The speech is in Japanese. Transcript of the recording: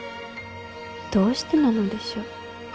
どうしてなのでしょう。